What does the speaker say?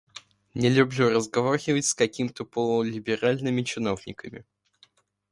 Не люблю разговаривать с какими-то полулиберальными чиновниками.